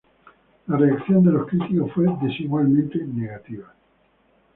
La reacción de los críticos fue desigualmente negativa.